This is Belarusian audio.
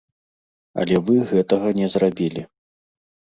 Але вы гэтага не зрабілі.